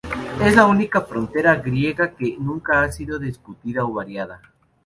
Es la única frontera griega que nunca ha sido discutida o variada.